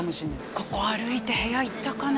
ここ歩いて部屋行ったかな？